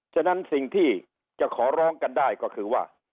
ฉะนั้นสิ่งที่จะขอร้องกันได้ก็คือว่า